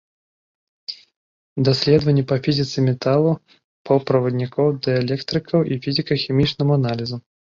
Даследаванні па фізіцы металаў, паўправаднікоў, дыэлектрыкаў і фізіка-хімічнаму аналізу.